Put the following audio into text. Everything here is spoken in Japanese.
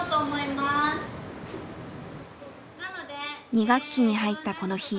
２学期に入ったこの日。